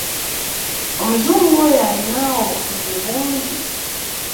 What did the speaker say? Omuzungu oyo alina obukugu bungi.